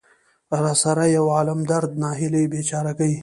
را سره يو عالم درد، ناهيلۍ ،بېچاره ګۍ.